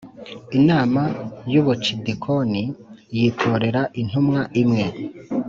Inama y’Ubucidikoni yitorera intumwa imwe